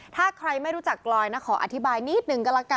ถ้าใครไม่รู้จักกลอยนะขออธิบายนิดหนึ่งก็ละกัน